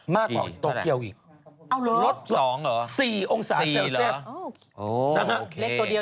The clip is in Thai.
มากกว่าโตเที่ยวอีกรถสองเหรอ๔องศาเซลเซียสนะฮะโอเค